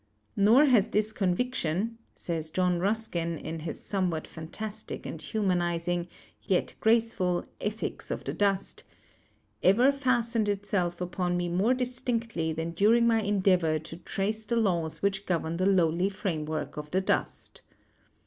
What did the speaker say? "Nor has this conviction," says John Ruskin in his somewhat fan 256 GEOLOGY tastic and humanizing yet graceful 'Ethics of the Dust/ "ever fastened itself upon me more distinctly than during my endeavor to trace the laws which govern the lowly framework of the dust.